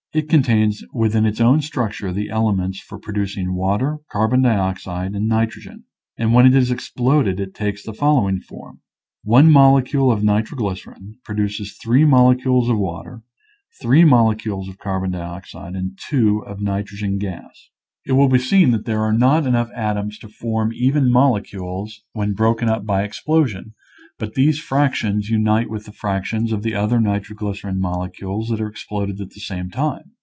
It contains within its own structure the elements for pro ducing water, carbon dioxide, and nitrogen. And when it is exploded it takes the following form: One molecule of nitroglycerin produces three molecules of water, three molecules of carbon dioxide and two of nitrogen gas. It / I t Original from UNIVERSITY OF WISCONSIN 228 nature's flStrade0* will be seen that there are not enough atoms to form even molecules when broken up by explosion, but these fractions unite with the fractions of the other nitroglycerin molecules that are exploded at the same time.